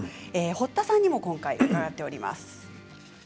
堀田さんにも今回伺っています。